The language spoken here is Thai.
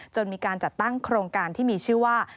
มีการจัดตั้งโครงการที่มีชื่อว่า